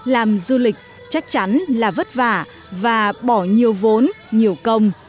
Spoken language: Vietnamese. làm du lịch chắc chắn là vất vả và bỏ nhiều vốn nhiều công